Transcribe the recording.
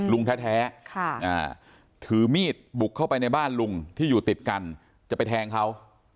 ลุงแท้ถือมีดบุกเข้าไปในบ้านลุงที่อยู่ติดกันจะไปแทงเขา